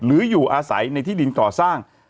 อยู่อาศัยในที่ดินก่อสร้าง